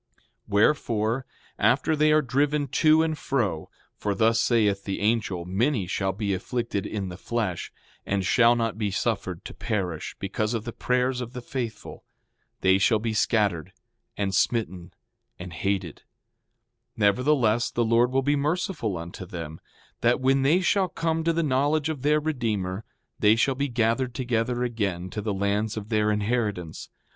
6:11 Wherefore, after they are driven to and fro, for thus saith the angel, many shall be afflicted in the flesh, and shall not be suffered to perish, because of the prayers of the faithful; they shall be scattered, and smitten, and hated; nevertheless, the Lord will be merciful unto them, that when they shall come to the knowledge of their Redeemer, they shall be gathered together again to the lands of their inheritance.